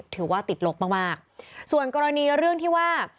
ถือว่าติดลบมากมากส่วนกรณีเรื่องที่ว่า